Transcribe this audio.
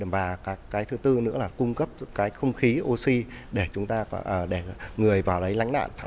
và cái thứ tư nữa là cung cấp không khí oxy để người vào đấy lánh nạn